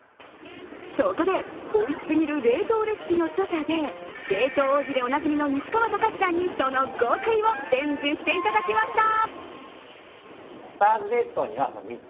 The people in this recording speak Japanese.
そこで、「おいしすぎる冷凍レシピ」の著者で冷凍王子でおなじみの西川剛史さんに、その極意を伝授していただきました。